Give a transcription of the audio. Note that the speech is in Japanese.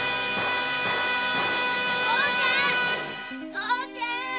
父ちゃん